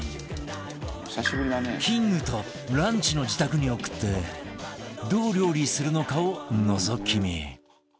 キングとランチの自宅に送ってどう料理するのかをのぞき見